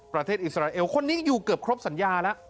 อิสราเอลคนนี้อยู่เกือบครบสัญญาแล้ว